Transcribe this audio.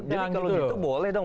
jadi kalau gitu boleh dong